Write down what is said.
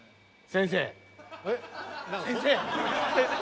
先生！